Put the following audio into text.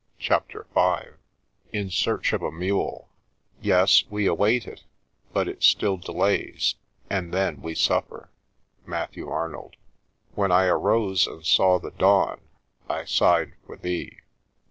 CHAPTER V fit Searcb ot a Aule " Tes, we await it, but it still delays, and then we suffer. — Matthew Arnold. " When I arose and saw the dawn, I sighed for thee